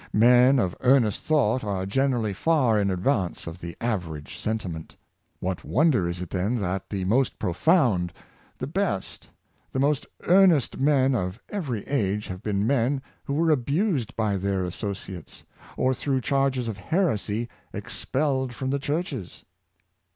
Men of earnest thought are generally far in advance of the average sentiment. What wonder is it then that the most profound, the Common Courasce, 457 ^? best, the most earnest men of every age have been men who were abused by their associates, or through charges of heresy expelled from the churches?